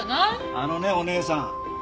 あのねお義姉さん。